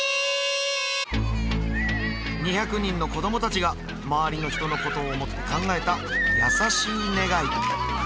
２００人の子どもたちが周りの人のことを思って考えた優しい願い